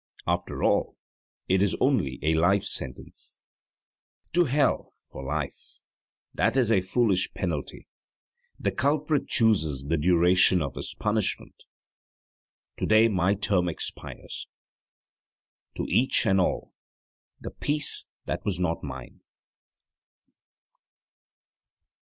After all, it is only a life sentence. 'To Hell for life' that is a foolish penalty: the culprit chooses the duration of his punishment. To day my term expires. To each and all, the peace that was not mine.